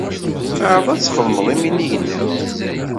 Ɛred ad tesxedmeḍ iminig-nniḍen.